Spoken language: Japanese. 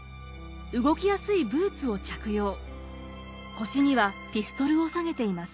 腰にはピストルを下げています。